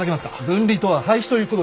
「分離」とは廃止ということですか？